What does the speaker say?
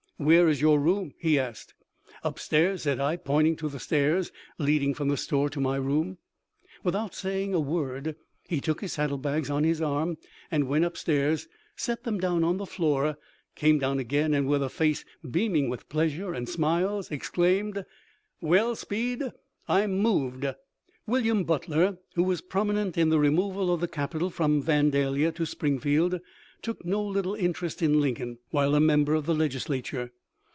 'Where is your room? ' he asked. ■' Upstairs,' said I, pointing to the stairs leading from the store to my room. Without saying a word he took his saddle bags on his arm, went up stairs, set them down on the floor, came down again, and with a face beaming with pleasure and smiles, exclaimed, ' Well, Speed, I'm moved.' " William Butler, who was prominent in the re moval of the capital from Vandalia to Springfield, took no little interest in Lincoln, while a member of the Legislature.